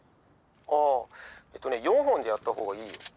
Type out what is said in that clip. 「ああえっとね４本でやった方がいいよ」。